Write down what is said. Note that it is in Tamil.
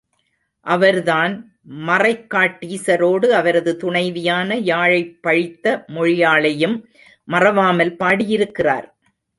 அவர்தான் மறைக்காட்டீசரோடு அவரது துணைவியான யாழைப் பழித்த மொழியாளையும் மறவாமல் பாடியிருக்கிறார்.